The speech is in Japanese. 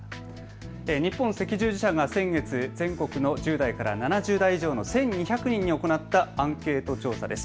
日本赤十字社が先月、全国の１０代から７０代以上の１２００人に行ったアンケート調査です。